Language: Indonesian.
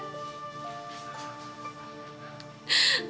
berikanlah ibu kesembuhan